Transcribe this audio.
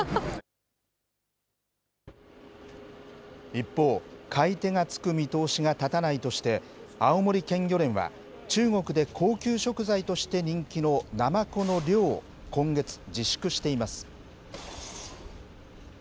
一方、買い手がつく見通しが立たないとして、青森県漁連は中国で高級食材として人気のナマコの漁を、今月、自粛しています。